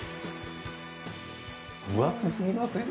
分厚すぎません？